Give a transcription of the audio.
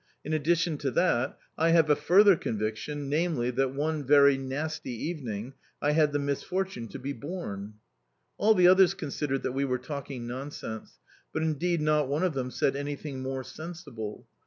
"In addition to that, I have a further conviction, namely, that, one very nasty evening, I had the misfortune to be born." All the others considered that we were talking nonsense, but indeed not one of them said anything more sensible.